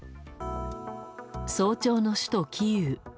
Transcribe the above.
早朝の首都キーウ。